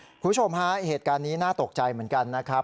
คุณผู้ชมฮะเหตุการณ์นี้น่าตกใจเหมือนกันนะครับ